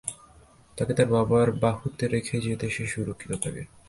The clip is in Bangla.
তাকে তার বাবার বাহুতে রেখ যাতে সে সুরক্ষিত থাকে।